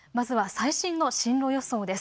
最新の進路予想です。